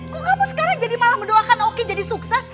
kok kamu sekarang jadi malah mendoakan oki jadi sukses